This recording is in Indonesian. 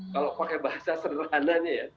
kalau pakai bahasa sederhananya ya